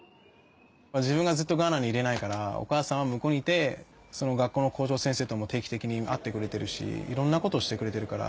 自分がずっとガーナにいれないからお母さんは向こうにいてその学校の校長先生とも定期的に会ってくれてるしいろんなことをしてくれてるから。